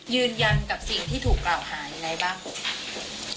ยืนยันกับสิ่งที่ถูกกล่าวหายังไงบ้าง